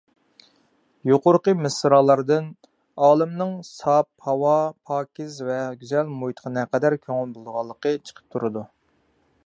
يۇقىرىقى مىسرالاردىن ئالىمنىڭ ساپ ھاۋا، پاكىز ۋە گۈزەل مۇھىتقا نەقەدەر كۆڭۈل بۆلىدىغانلىقى چىقىپ تۇرىدۇ.